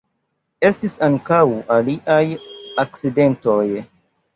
Estis ankaŭ aliaj akcidentoj.